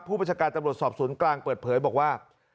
ประชาการตำรวจสอบสวนกลางเปิดเผยบอกว่า